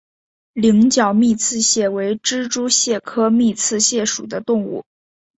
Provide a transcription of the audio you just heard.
羚角密刺蟹为蜘蛛蟹科密刺蟹属的动物。